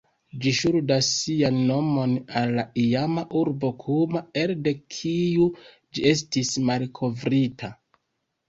Ĝi ŝuldas sian nomon al la iama urbo Kuma, elde kiu ĝi estis malkovrita.